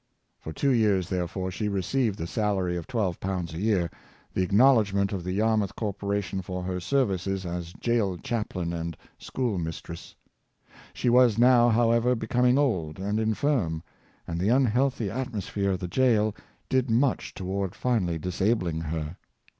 For two years, therefore, she received the salary of £12 a year — the acknowledgement of the Yarmouth corporation for her services as jail chaplain and school mistress! She was now, however, becoming old and infirm, and the unhealthy atmosphere of the jail did much toward finally disabling her.